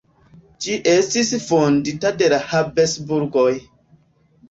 Ĝi estis fondita de la Habsburgoj.